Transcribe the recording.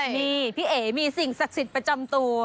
นี่พี่เอ๋มีสิ่งศักดิ์สิทธิ์ประจำตัว